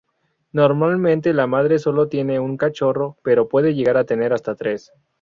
Normalmente la madre sólo tiene un cachorro, pero pueden llegar a tener hasta tres.